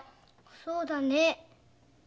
そうだね。